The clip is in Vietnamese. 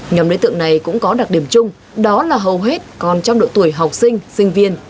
nhóm đối tượng này cũng có đặc điểm chung đó là hầu hết còn trong độ tuổi học sinh sinh viên